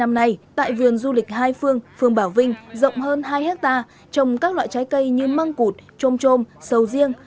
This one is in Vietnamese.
năm nay tại vườn du lịch hai phương phường bảo vinh rộng hơn hai hectare trồng các loại trái cây như măng cụt trôm trôm sầu riêng